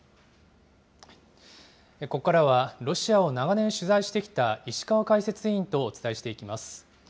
ここからはロシアを長年取材してきた石川解説委員とお伝えしていきます。